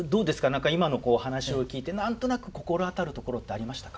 何か今の話を聞いて何となく心当たるところってありましたか？